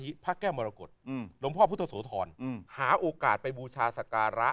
พระแก้วมรกฏหลวงพ่อพุทธโสธรหาโอกาสไปบูชาสการะ